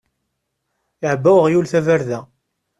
Iɛebba uɣyul tabarda.